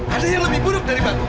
ada yang lebih buruk dari batu